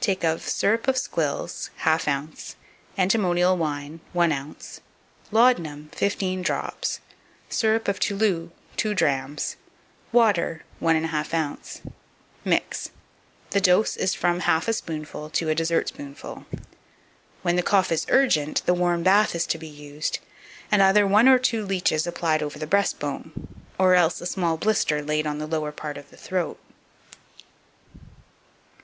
Take of Syrup of squills 1/2 ounce. Antimonial wine 1 ounce. Laudanum 15 drops. Syrup of Toulou 2 drachms. Water 1 1/2 ounce. Mix. The dose is from half a spoonful to a dessertspoonful. When the cough is urgent, the warm bath is to be used, and either one or two leeches applied over the breastbone, or else a small blister laid on the lower part of the throat.